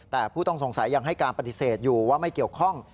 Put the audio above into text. แต่ผู้ต้องสงสัยยังให้การปฏิเสธอยู่ว่าไม่เกี่ยวข้อง